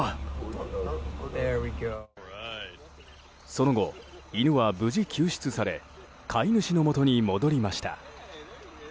その後、犬は無事救出され飼い主のもとに戻りました。